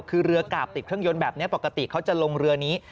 คือเรือกราบติดเครื่องยนต์แบบนี้ปกติเขาจะลงเรือนี้